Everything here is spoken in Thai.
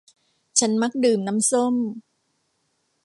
ฉันมักดื่มน้ำส้ม